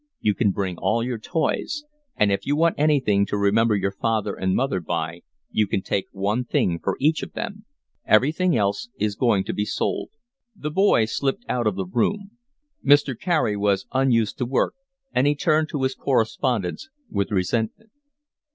You can bring all your toys. And if you want anything to remember your father and mother by you can take one thing for each of them. Everything else is going to be sold." The boy slipped out of the room. Mr. Carey was unused to work, and he turned to his correspondence with resentment.